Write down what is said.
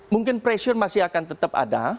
mungkin pressure masih akan tetap ada